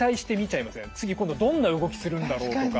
次今度どんな動きするんだろうとか。